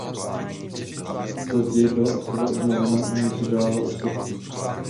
Později byla osada obnovena o něco dále od sopky.